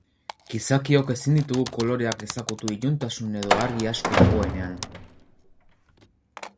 Gizakiok ezin ditugu koloreak ezagutu iluntasun edo argi asko dagoenean.